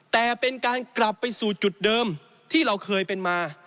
แต่เป็นการกลับไปสู่จุดเดิมที่เราเคยเป็นมา